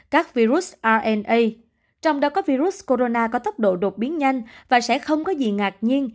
các virus rna trong đó có virus corona có tốc độ đột biến nhanh và sẽ không có gì ngạc nhiên